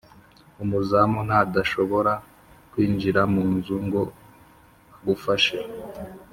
umuzamu ntadashobora kwinjira mu nzu ngo agufashe.